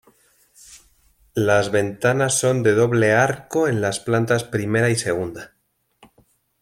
Las ventanas son de doble arco en las plantas primera y segunda.